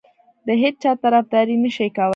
د هیچا طرفداري نه شي کولای.